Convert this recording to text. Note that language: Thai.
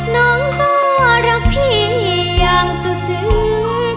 น้องก็รักพี่อย่างสุดสิว